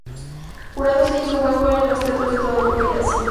Jurado se hizo hueco en los teatros de toda Europa y Asia.